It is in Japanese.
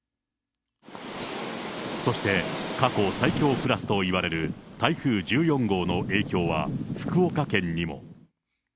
そして、過去最強クラスといわれる台風１４号の影響は福岡県にも。